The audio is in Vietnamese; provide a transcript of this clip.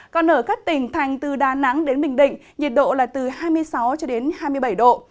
còn ở các tỉnh thành từ đà nẵng đến bình định nhiệt độ là từ hai mươi sáu cho đến hai mươi bảy độ